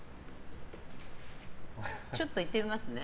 ちょっと、いってみますね。